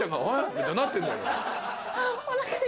みたいになってんのよ。